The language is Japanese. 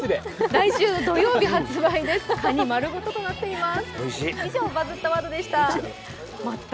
来週土曜日発売です、カニ丸ごととなっています。